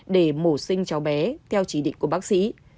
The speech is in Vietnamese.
để mổ sinh cháu bé theo chỉ định của bác sĩ